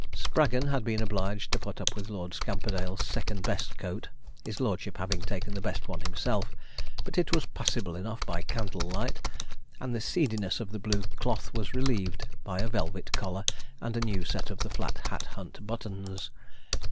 Spraggon had been obliged to put up with Lord Scamperdale's second best coat, his lordship having taken the best one himself; but it was passable enough by candle light, and the seediness of the blue cloth was relieved by a velvet collar and a new set of the Flat Hat Hunt buttons.